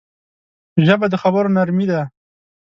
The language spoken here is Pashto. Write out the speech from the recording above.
ژبه د خبرو نرمي ده